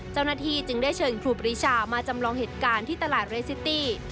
เจ้าหน้าที่จึงได้เชิญครูปรีชามาจำลองเหตุการณ์ที่ตลาดเรซิตี้